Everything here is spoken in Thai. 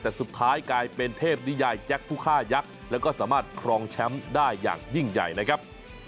แต่สุดท้ายกลายเป็นเทพนิยายแจ็คผู้ฆ่ายักษ์แล้วก็สามารถครองแชมป์ได้อย่างยิ่งใหญ่นะครับ